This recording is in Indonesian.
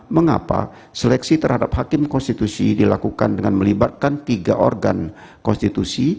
mengapa seleksi terhadap hakim konstitusi dilakukan dengan melibatkan tiga organ konstitusi